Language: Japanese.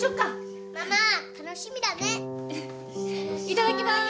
いただきます。